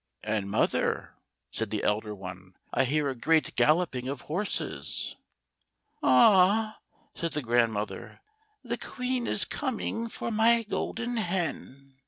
" And, mother," said the elder one, " I hear a great galloping of horses." " Ah 1 " said the grandmother, "the Queen is coming for my Golden Hen."